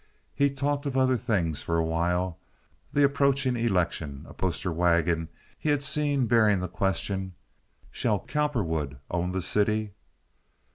He talked of other things for a while—the approaching election, a poster wagon he had seen bearing the question, "Shall Cowperwood own the city?"